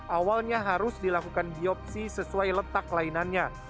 awalnya harus dilakukan biopsi sesuai letak kelainannya